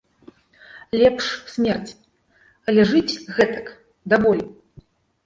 Лепш смерць, але жыць гэтак даволі.